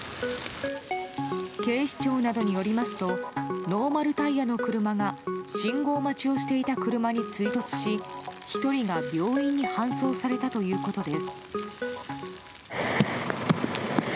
警視庁などによりますとノーマルタイヤの車が信号待ちをしていた車に追突し１人が病院に搬送されたということです。